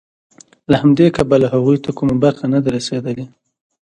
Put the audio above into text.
له همدې کبله هغوی ته کومه برخه نه ده رسېدلې